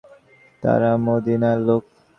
তারা মদীনার লোক।